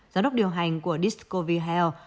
giám đốc điều hành của discovery health